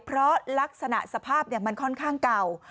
เพราะลักษณะสภาพมันค่อนข้างเก่า